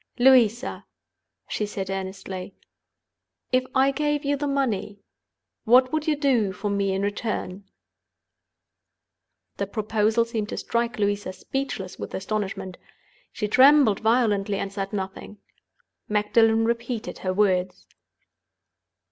"Louisa!" she said, earnestly; "if I gave you the money, what would you do for me in return?" The proposal seemed to strike Louisa speechless with astonishment. She trembled violently, and said nothing. Magdalen repeated her words.